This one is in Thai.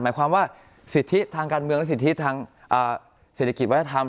หมายความว่าสิทธิทางการเมืองและสิทธิทางเศรษฐกิจวัฒนธรรม